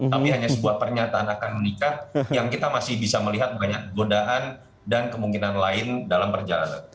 tapi hanya sebuah pernyataan akan menikah yang kita masih bisa melihat banyak godaan dan kemungkinan lain dalam perjalanan